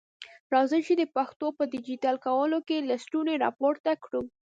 راځئ چي د پښتو په ډيجيټل کولو کي لستوڼي را پورته کړو.